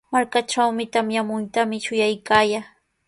Markaatrawmi tamyamuntami shuyaykaayaa.